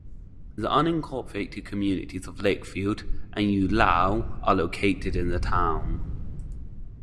The unincorporated communities of Lakefield, and Ulao are located in the town.